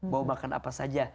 mau makan apa saja